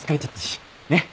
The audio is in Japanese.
ねっ。